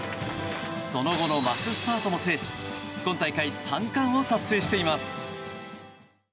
その後のマススタートも制し今大会３冠を達成しています。